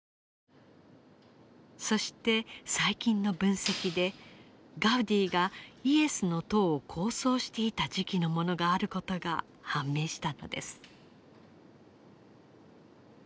そして最近の分析でガウディがイエスの塔を構想していた時期のものがあることが判明したのです。